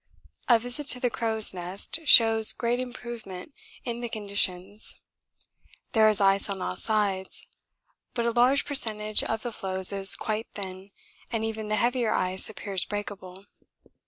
A visit to the crow's nest shows great improvement in the conditions. There is ice on all sides, but a large percentage of the floes is quite thin and even the heavier ice appears breakable.